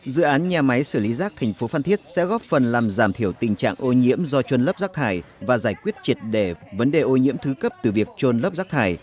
dự án nhà máy xử lý rác thành phố phan thiết sẽ góp phần làm giảm thiểu tình trạng ô nhiễm do trôn lấp rác thải và giải quyết triệt đề vấn đề ô nhiễm thứ cấp từ việc trôn lấp rác thải